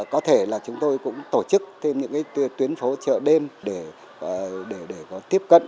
có thể là chúng tôi cũng tổ chức thêm những tuyến phố chợ đêm để có tiếp cận